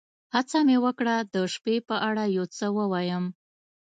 هڅه مې وکړه د شپې په اړه یو څه ووایم.